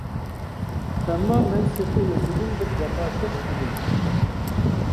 ئەمما مەن سېپى ئۆزىدىن بىر جاپاكەش ئىدىم.